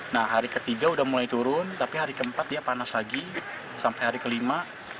nah hari ketiga udah mulai turun tapi hari keempat dia panas lagi sampai hari kelima